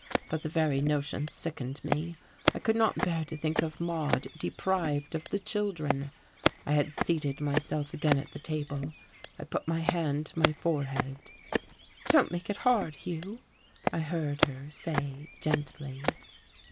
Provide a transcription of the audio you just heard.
But the very notion sickened me. I could not bear to think of Maude deprived of the children. I had seated myself again at the table. I put my hand to my forehead. "Don't make it hard, Hugh," I heard her say, gently.